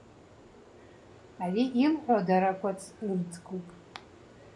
Ари илҳәо даракәац ырӡгоуп!